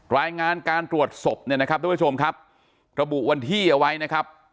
รายงานการตรวจศพเนี่ยนะครับทุกผู้ชมครับระบุวันที่เอาไว้นะครับ